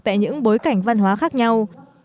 tại những bối cảnh văn hóa khác nhau